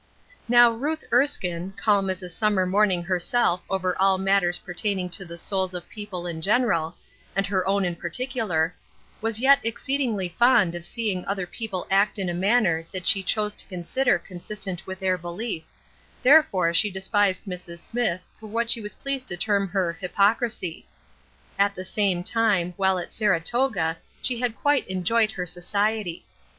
Now Ruth Erskine, calm as a summer morning herself over all matters pertaining to the souls of people in general, and her own in particular, was yet exceedingly fond of seeing other people act in a manner that she chose to consider consistent with their belief; therefore she despised Mrs. Smithe for what she was pleased to term her "hypocrisy." At the same time, while at Saratoga, she had quite enjoyed her society.